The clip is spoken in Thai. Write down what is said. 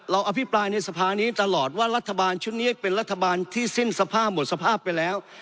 อภิปรายในสภานี้ตลอดว่ารัฐบาลชุดนี้เป็นรัฐบาลที่สิ้นสภาพหมดสภาพไปแล้ว